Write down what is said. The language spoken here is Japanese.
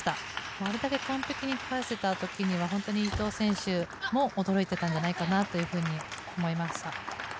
あれだけ完璧に返した時には伊藤選手も驚いていたのではないかなと思います。